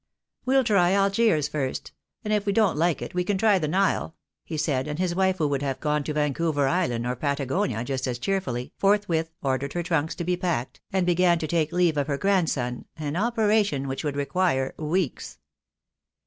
"We'll try Algiers first, and if we don't like it we can try the Nile," he said, and his wife, who would have gone to Vancouver Island or Patagonia just as cheerfully, forthwith ordered her trunks to be packed, and began to 284 THE DAY WILL COME. take leave of her grandson, an operation which would require weeks.